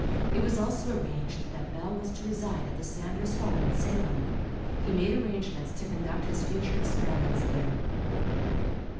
It was also arranged that Bell was to reside at the Sanders home in Salem. He made arrangements to conduct his future experiments there.